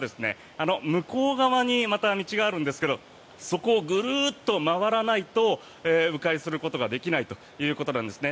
あの向こう側にまた道があるんですけどそこをぐるっと回らないと迂回することができないということなんですね。